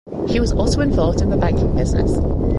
He was also involved in the banking business.